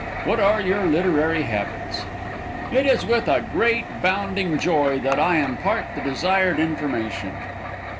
What are your literary habits?" It is with a great, bounding joy that I impart the desired information.